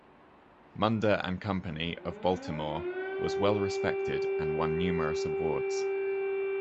Munder and Company, of Baltimore, was well respected and won numerous awards.